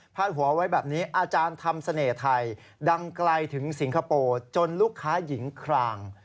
หัวไว้แบบนี้อาจารย์ทำเสน่ห์ไทยดังไกลถึงสิงคโปร์จนลูกค้าหญิงคลาง